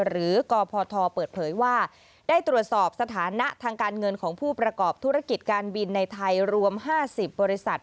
หรือกพทเปิดเผยว่าได้ตรวจสอบสถานะทางการเงินของผู้ประกอบธุรกิจการบินในไทยรวม๕๐บริษัท